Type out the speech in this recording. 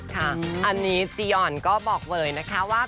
ค่ะอันนี้จียอนก็บอกเลยนะคะว่า